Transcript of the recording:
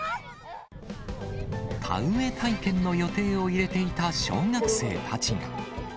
田植え体験の予定を入れていた小学生たちが。